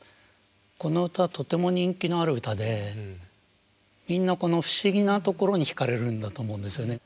この歌はとても人気のある歌でみんなこの不思議なところに惹かれるんだと思うんですよね。